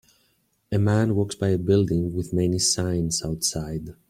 A man walks by a building with many signs outside.